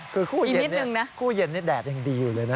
คือคู่เย็นนี่แดดยังดีอยู่เลยนะ